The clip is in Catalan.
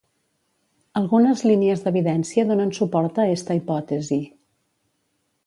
Algunes línies d'evidència donen suport a esta hipòtesi.